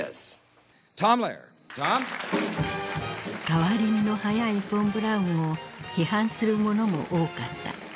変わり身の早いフォン・ブラウンを批判する者も多かった。